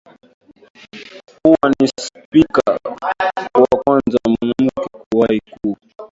uwa ni spika wa kwanza mwanamke kuwahi ku